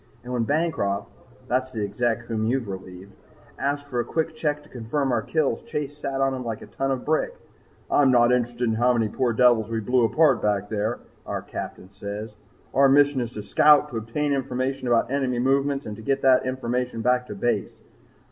"And when Bancroft, that's the Exec whom you've relieved, asked for a quick check to confirm our kills, Chase sat on him like a ton of brick. 'I'm not interested in how many poor devils we blew apart back there,' our Captain says. 'Our mission is to scout, to obtain information about enemy movements and get that information back to Base.